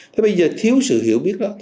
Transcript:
thế bây giờ thiếu sự hiểu biết đó